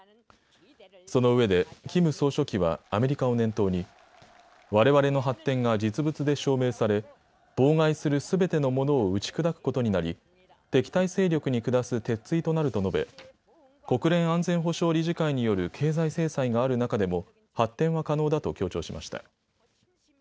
そのうえでキム総書記はアメリカを念頭にわれわれの発展が実物で証明され妨害するすべてのものを打ち砕くことになり敵対勢力に下す鉄ついとなると述べ国連安全保障理事会による経済制裁がある中でも発展は可能だと強調しました。